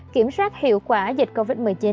kiểm soát hiệu quả dịch covid một mươi chín